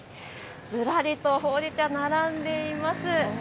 ずらりとほうじ茶か並んでいます。